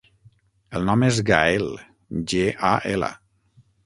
El nom és Gaël: ge, a, ela.